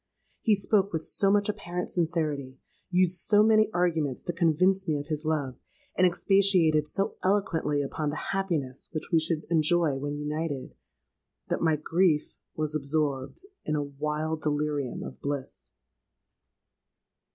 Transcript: He spoke with so much apparent sincerity, used so many arguments to convince me of his love, and expatiated so eloquently upon the happiness which we should enjoy when united, that my grief was absorbed in a wild delirium of bliss!